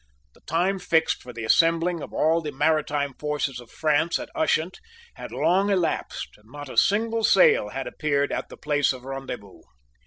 The time fixed for the assembling of all the maritime forces of France at Ushant had long elapsed; and not a single sail had appeared at the place of rendezvous.